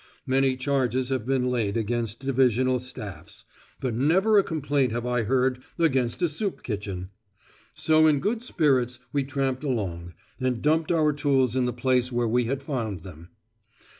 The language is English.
Many charges have been laid against divisional staffs, but never a complaint have I heard against a soup kitchen! So in good spirits we tramped along, and dumped our tools in the place where we had found them.